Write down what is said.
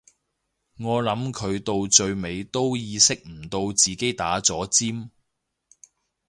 我諗佢到最尾都意識唔到自己打咗尖